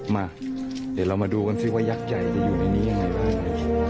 มาเดี๋ยวเรามาดูกันสิว่ายักษ์ใหญ่จะอยู่ในนี้ยังไงบ้าง